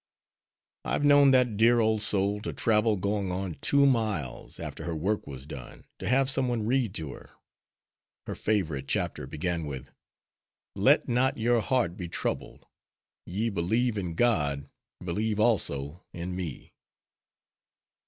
I've known that dear, old soul to travel going on two miles, after her work was done, to have some one read to her. Her favorite chapter began with, 'Let not your heart be troubled, ye believe in God, believe also in Me.'"